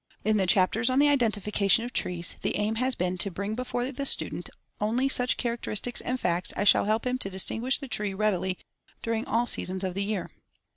In the chapters on the identification of trees, the aim has been to bring before the student only such characters and facts as shall help him to distinguish the tree readily during all seasons of the year.